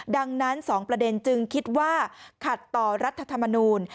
ดังนั้น๒ประเด็นจึงคิดว่าขัดต่อรัฐธรรมนูล